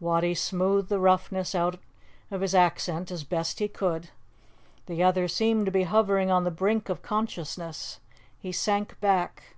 Wattie smoothed the roughness out of his accent as best he could. The other seemed to be hovering on the brink of consciousness. He sank back.